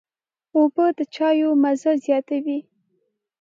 اوبه د چايو مزه زیاتوي.